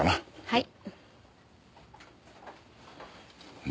はい？